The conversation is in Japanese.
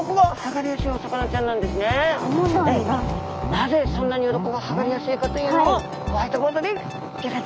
なぜそんなに鱗が剥がれやすいかというのをホワイトボードでギョ説明いたします。